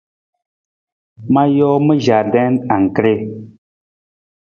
Ma joo ma jardin anggree.